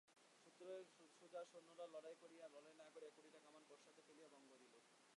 সুজার সৈন্যেরা লড়াই না করিয়া কুড়িটা কামান পশ্চাতে ফেলিয়া ভঙ্গ দিল।